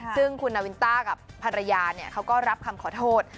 ซึ่งคุณนาวินต้ากับภรรยาเขาก็รับคำขอโทษ